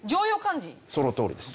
そのとおりです。